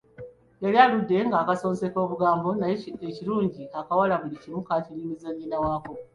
Yali aludde ng'akasonseka obugambo naye ekirungi ng'akawala buli kimu kakinyumiza nnyina waako.